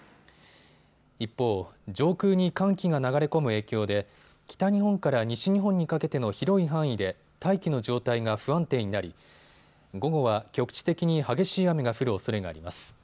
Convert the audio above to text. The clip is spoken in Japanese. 一方、上空に寒気が流れ込む影響で北日本から西日本にかけての広い範囲で大気の状態が不安定になり午後は局地的に激しい雨が降るおそれがあります。